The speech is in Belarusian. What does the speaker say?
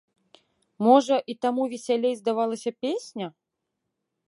Можа, і таму весялей здавалася песня?